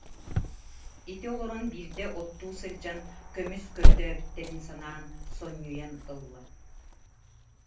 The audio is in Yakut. Ити олорон биирдэ оттуу сылдьан көмүс көрдөөбүттэрин санаан сонньуйан ылла